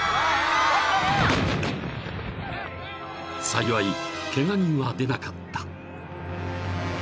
［幸いケガ人は出なかった］